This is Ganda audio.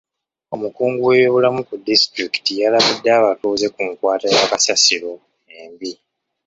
Omukungu w'ebyobulamu ku disitulikiti yalabudde abatuuze ku nkwata ya kasasiro embi.